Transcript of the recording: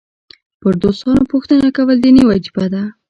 پر دوستانو پوښتنه کول دیني وجیبه ده.